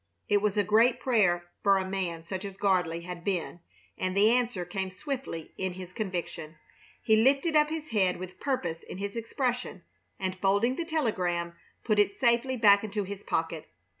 It was a great prayer for a man such as Gardley had been, and the answer came swiftly in his conviction. He lifted up his head with purpose in his expression, and, folding the telegram, put it safely back into his pocket.